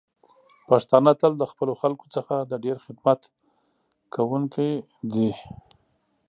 پښتانه تل د خپلو خلکو څخه د ډیر خدمت کوونکی دی.